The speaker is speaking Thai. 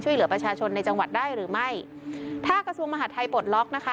ช่วยเหลือประชาชนในจังหวัดได้หรือไม่ถ้ากระทรวงมหาดไทยปลดล็อกนะคะ